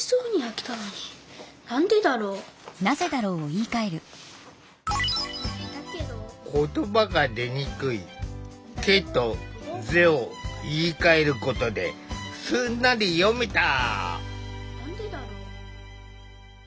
言葉が出にくい「け」と「ぜ」を言いかえることですんなり読めた。